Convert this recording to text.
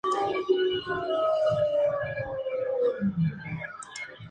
Durante la Segunda Guerra Mundial sirvió en los frentes Europeo y del Asia-Pacífico.